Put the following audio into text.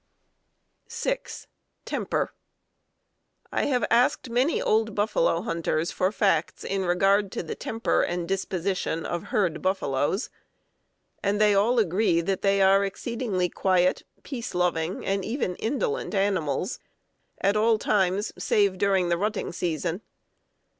(6) Temper. I have asked many old buffalo hunters for facts in regard to the temper and disposition of herd buffaloes, and all agree that they are exceedingly quiet, peace loving, and even indolent animals at all times save during the rutting season.